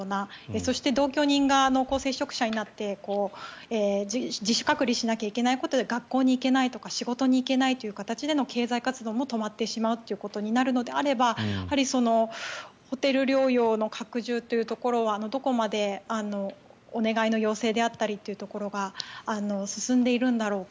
そして同居人が濃厚接触者になって自主隔離しなきゃいけないことで学校に行けない仕事に行けないという形での経済活動も止まってしまうとなるのであればホテル療養の拡充というところはどこまでお願いの要請であったりというところが進んでいるんだろうか。